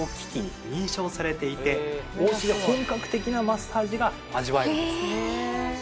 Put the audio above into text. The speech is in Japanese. お家で本格的なマッサージが味わえるんです。